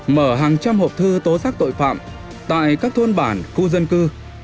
mở hàng trăm hộp thư tố xác tội phạm tại các thôn bản khu dân cư